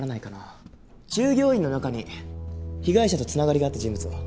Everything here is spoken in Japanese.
従業員の中に被害者と繋がりがあった人物は？